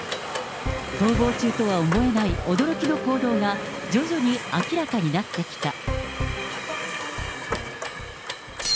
逃亡中とは思えない驚きの行動が、徐々に明らかになってきた。